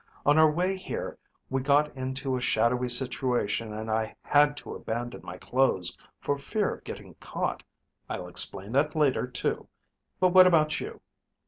On our way here we got into a shadowy situation and I had to abandon my clothes for fear of getting caught. I'll explain that later, too. But what about you?"